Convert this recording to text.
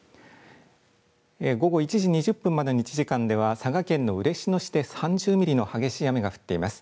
午後１時２０分までの１時間では佐賀県の嬉野市で３０ミリの激しい雨が降っています。